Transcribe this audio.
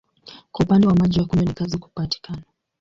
Kwa upande wa maji ya kunywa ni kazi kupatikana.